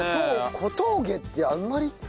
「小峠」ってあんまり。